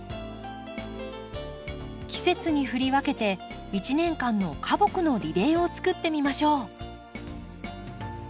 季節に振り分けて一年間の花木のリレーを作ってみましょう。